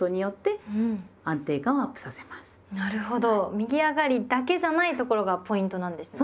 右上がりだけじゃないところがポイントなんですね。